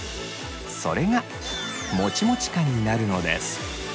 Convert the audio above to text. それがもちもち感になるのです。